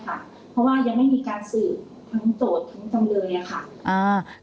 เพราะว่ายังไม่มีการสืบทั้งโจทย์ทั้งจำเลยค่ะ